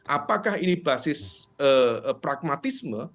apakah ini basis pragmatisme